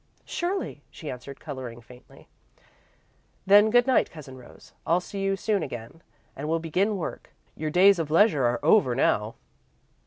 "Surely," she answered, colouring faintly. "Then good night, Cousin Rose. I'll see you soon again, and we'll begin work. Your days of leisure are over now."